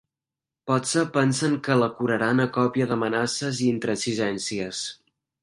Potser pensen que la curaran a còpia d’amenaces i intransigències.